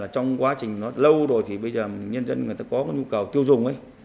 trong quá trình nó lâu rồi thì bây giờ nhân dân người ta có nhu cầu tiêu dùng ấy